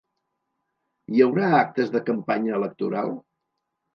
Hi haurà actes de campanya electoral?